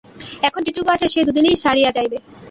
এখন যেটুকু আছে সে দুদিনেই সারিয়া যাইবে।